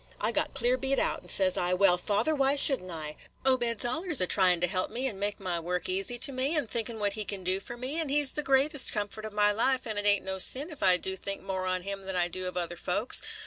I got clear beat out, and says I, 'Well, father, why should n't I? Obed 's allers a tryin' to help me and make my work easy to me, and thinkin' what he can do for me; and he 's the greatest comfort of my life, and it ain't no sin if I do think more on him than I do of other folks.'